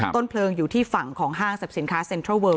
ต้นเพลิงอยู่ที่ฝั่งของห้างสรรพสินค้าเซ็นทรัลเลิล